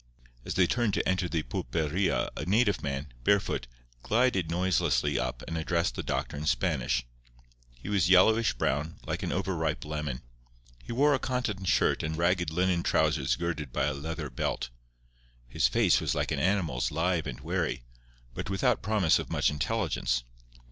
As they turned to enter the pulperia a native man, barefoot, glided noiselessly up and addressed the doctor in Spanish. He was yellowish brown, like an over ripe lemon; he wore a cotton shirt and ragged linen trousers girded by a leather belt. His face was like an animal's, live and wary, but without promise of much intelligence.